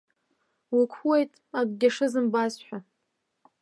Уқәуеит акгьы шызымбаз ҳәа.